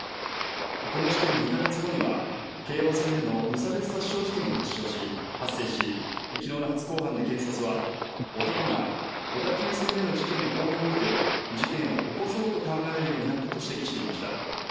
この事件の２か月後には、京王線での無差別殺傷事件が発生し、きのうの初公判で検察は、男が小田急線での事件の報道を見て、事件を起こそうと考えるようになったと指摘していました。